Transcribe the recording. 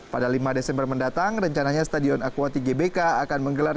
pada lima desember mendatang rencananya stadion aquati gbk akan menggelar